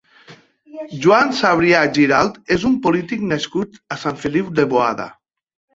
Joan Sabrià Giralt és un polític nascut a Sant Feliu de Boada.